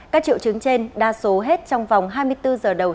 các triệu chứng trên đa số hết trong vòng hai mươi bốn giờ đầu